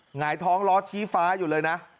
หงายท้องล้อชี้ฟ้าอยู่เลยนะ